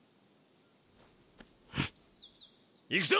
行くぞ！